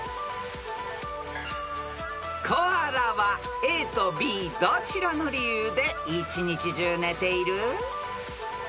［コアラはＡとＢどちらの理由で１日中寝ている？］